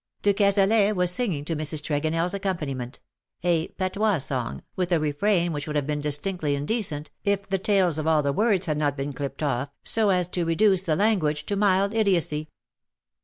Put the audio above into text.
De Cazalet was singing to Mrs. TregonelFs accompaniment — a patois song, with a refrain which would have been distinctly indecent, if the tails of all the words had not been clipped oJ6P, so as to reduce the language to mild idiocy.